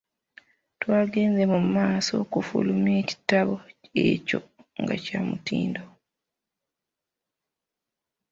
Twagenze mu maaso okufulumya ekitabo ekyo nga kya mutindo.